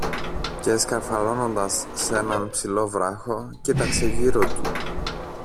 Και σκαρφαλώνοντας σ' έναν ψηλό βράχο, κοίταξε γύρω του.